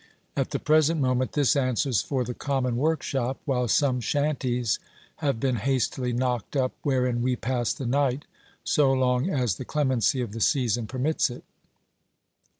At the present moment this answers for the common workshop, while some shanties have been hastily knocked up wherein we pass the night, so long as the clemency of the season permits it.